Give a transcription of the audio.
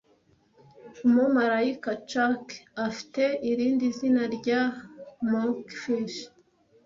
Umumarayika shark afite irindi zina rya monkfish